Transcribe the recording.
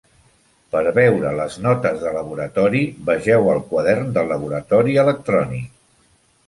Per veure les notes de laboratori, vegeu el Quadern de laboratori electrònic.